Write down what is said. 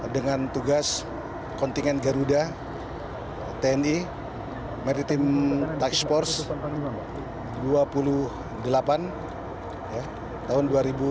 dengan tugas kontingen garuda tni maritim tax force dua puluh delapan tahun dua ribu dua puluh